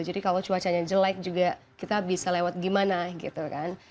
kalau cuacanya jelek juga kita bisa lewat gimana gitu kan